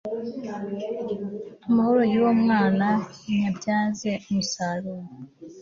amahoro y'uwo mwana nyabyaze umusaruro